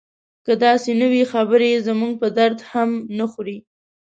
که داسې نه وي خبرې یې زموږ په درد هم نه خوري.